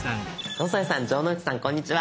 野添さん城之内さんこんにちは。